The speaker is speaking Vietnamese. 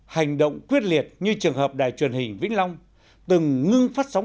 hành động quyết liệt như trường hợp đài truyền hình vĩnh long từng ngưng phát sóng